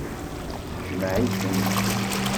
Jmeɛ-iten.